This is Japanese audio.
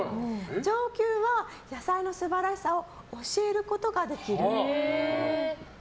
上級は野菜の素晴らしさを教えることができる。